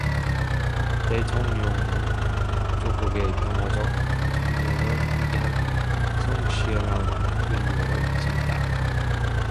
대통령은 조국의 평화적 통일을 위한 성실한 의무를 진다.